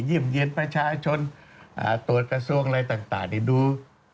ยิ่มเย็นประชาชนตรวจกระทรวงอะไรต่างนี่ดู